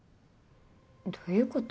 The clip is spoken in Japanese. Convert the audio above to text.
どういうこと？